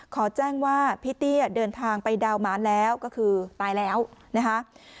ขอแจ้งว่าพี่เตี้ยเดินทางไปดาวมารแล้วก็คือตายแล้วนะคะ